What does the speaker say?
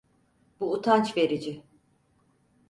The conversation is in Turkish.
Bu utanç verici!